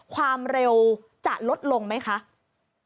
ความเร็วจะลดลงไหมคะ